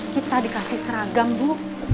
kita dikasih seragam bu